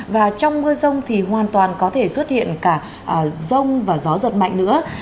và trong mưa rông thì hoàn toàn có thể xuất hiện cả rông và gió giật mạnh nữa